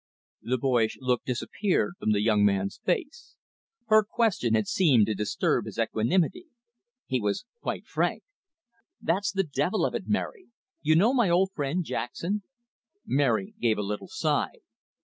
The boyish look disappeared from the young man's face. Her question had seemed to disturb his equanimity. He was quite frank. "That's the devil of it, Mary. You know my old friend Jackson?" Mary gave a little sigh.